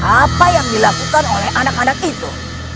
apa yang dilakukan oleh anak anak itu